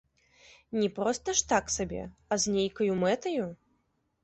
Не проста ж так сабе, а з нейкаю мэтаю?